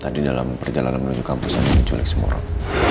tadi dalam perjalanan menuju kampus andi diculik semua orang